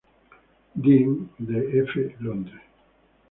Dean, de f Londres.